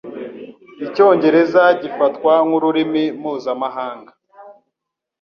Icyongereza gifatwa nkururimi mpuzamahanga.